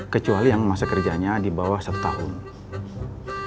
kecuali yang masa kerjanya di indonesia kecuali yang masa kerjanya di indonesia